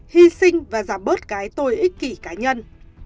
hy sinh và giảm bớt cái tôi ích kỷ cá nhân